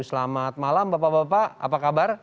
selamat malam bapak bapak apa kabar